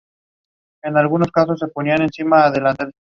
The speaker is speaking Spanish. Empieza el viaje por recuperar el "Planet Buster".